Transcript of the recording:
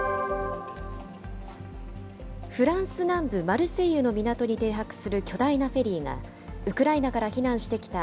フランス南部マルセイユの港に停泊する巨大なフェリーが、ウクライナから避難してきた